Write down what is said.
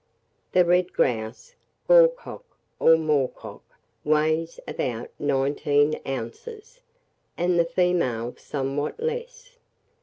The red grouse, gorcock, or moor cock, weighs about nineteen ounces, and the female somewhat less.